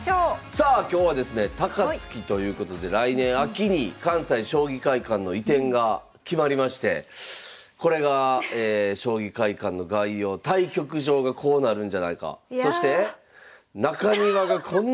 さあ今日はですね高槻ということで来年秋に関西将棋会館の移転が決まりましてこれが将棋会館の概要対局場がこうなるんじゃないかそして中庭がこんなふうになって。